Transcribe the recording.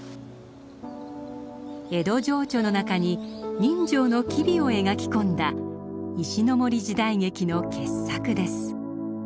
江戸情緒の中に人情の機微を描き込んだ石森時代劇の傑作です。